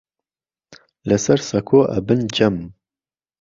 لەسەر سەکۆ ئەبن جەم